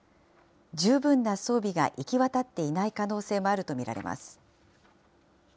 十分な装備が行き渡っていない可能性もあると見られます。